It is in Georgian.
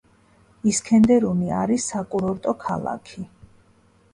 ისქენდერუნი არის საკურორტო ქალაქი.